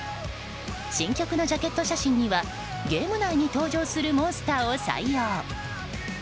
新曲のジャケット写真にはゲーム内に登場するモンスターを採用。